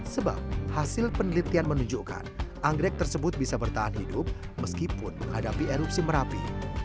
sebab hasil penelitian menunjukkan anggrek tersebut bisa bertahan hidup meskipun menghadapi erupsi merapi